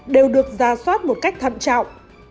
đều được ra soát một cách thận trọng